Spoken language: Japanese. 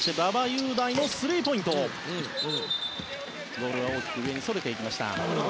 ボールは大きく上にそれました。